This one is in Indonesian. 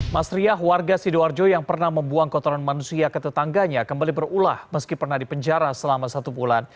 mas riah warga sidoarjo yang pernah membuang kotoran manusia ke tetangganya kembali berulah meski pernah dipenjara selama satu bulan